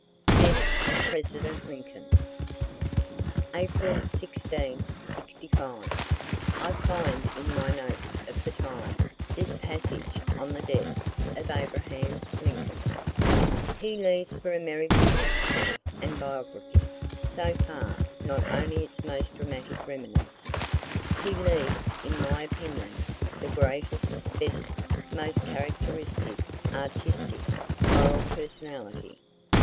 DEATH OF PRESIDENT LINCOLN April 16, '65. I find in my notes of the time, this passage on the death of Abraham Lincoln: He leaves for America's history and biography, so far, not only its most dramatic reminiscence he leaves, in my opinion, the greatest, best, most characteristic, artistic, moral personality.